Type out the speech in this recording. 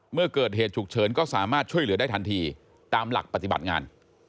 เมื่อเกิดเหตุฉุกเฉินก็สามารถช่วยเหลือได้ทันทีตามหลักปฏิบัติงาน